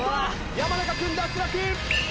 山中君脱落。